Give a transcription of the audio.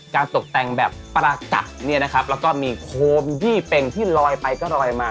การตกแต่งแบบประกับแล้วก็มีโครมดี้เป็งที่ลอยไปก็ลอยมา